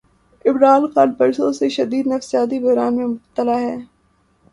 عمران خان برسوں سے شدید نفسیاتی بحران میں مبتلا ہیں۔